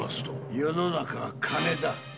世の中は金だ。